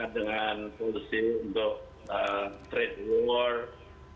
dengan solusi untuk terkendali